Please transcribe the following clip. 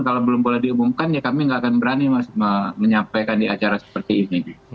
kalau belum boleh diumumkan ya kami nggak akan berani mas menyampaikan di acara seperti ini